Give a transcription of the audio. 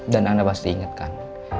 dan anda pasti ingatkan